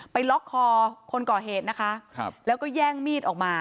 ล็อกคอคนก่อเหตุนะคะครับแล้วก็แย่งมีดออกมา